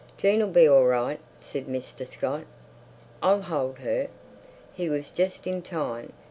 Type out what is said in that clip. "Jean'll be all right," said Mr. Scott. "I'll hold her." He was just in time.